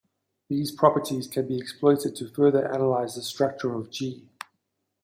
These properties can be exploited to further analyze the structure of "G".